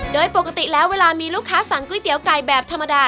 โดยปกติแล้วเวลามีลูกค้าสั่งก๋วยเตี๋ยวไก่แบบธรรมดา